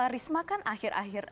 risma kan akhir akhir